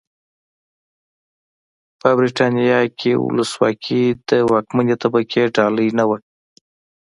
په برېټانیا کې ولسواکي د واکمنې طبقې ډالۍ نه وه.